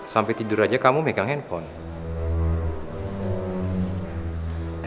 sampai tidur aja kamu megang handphone